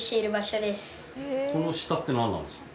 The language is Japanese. この下って何なんですか？